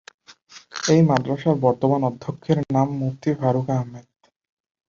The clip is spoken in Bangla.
এই মাদ্রাসার বর্তমান অধ্যক্ষের নাম মুফতি ফারুক আহমেদ।